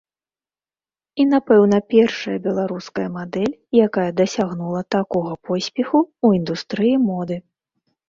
І, напэўна, першая беларуская мадэль, якая дасягнула такога поспеху ў індустрыі моды.